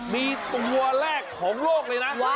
มีตัวแรกของโลกเลยนะ